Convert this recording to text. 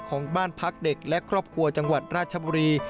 ของบ้านพักเด็กและครอบครัวจังหวัดราชบุรี